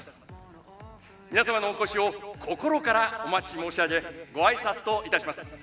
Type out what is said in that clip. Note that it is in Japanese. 皆様のお越しを心からお待ち申し上げご挨拶といたします。